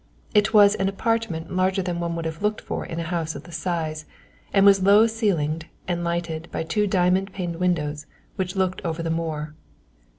It was an apartment larger than one would have looked for in a house of the size, and was low ceilinged and lighted by two diamond paned windows which looked over the moor.